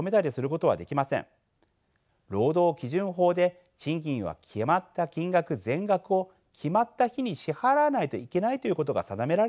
労働基準法で賃金は決まった金額全額を決まった日に支払わないといけないということが定められているからです。